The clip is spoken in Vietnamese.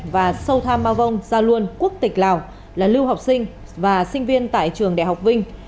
và sâu tham ma vong gia luôn quốc tịch lào là lưu học sinh và sinh viên tại trường đại học vinh